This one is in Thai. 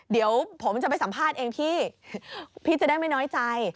เดี๋ยวผมจะไปสัมภาษณ์เองพี่พี่จะได้ไม่น้อยใจ